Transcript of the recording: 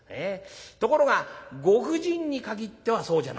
ところがご婦人に限ってはそうじゃなかったんですね。